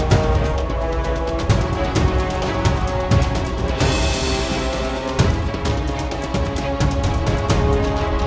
kamu ternyata gak seperti wajah kamu sita